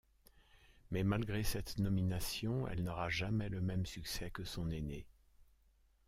Mais malgré cette nomination, elle n'aura jamais le même succès que son aînée.